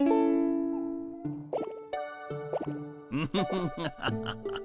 フフフハハハハ。